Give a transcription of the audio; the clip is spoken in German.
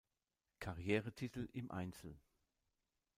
Karrieretitel im Einzel.